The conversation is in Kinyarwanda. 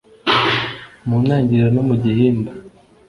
Mu ntangiriro no mu gihimba.